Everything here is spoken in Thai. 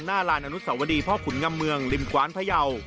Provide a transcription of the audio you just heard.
ลานอนุสวดีพ่อขุนงำเมืองริมกว้านพยาว